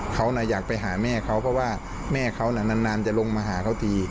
เขาอยากไปหาแม่เขาเพราะว่าแม่เขานานจะลงมาหาเขาที